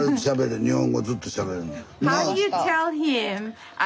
日本語ずっとしゃべれるんや。